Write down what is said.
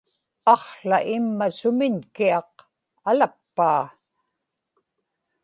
aqła imma sumiñ-kiaq; alappaa